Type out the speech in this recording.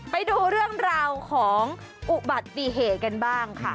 ไปดูเรื่องราวของอุบัติเหตุกันบ้างค่ะ